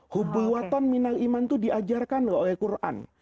hubulwatan minal iman itu diajarkan oleh quran